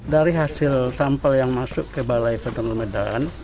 dari hasil sampel yang masuk ke balai kota medan